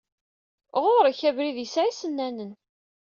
Ɣurek! Abrid yessa d isennanen.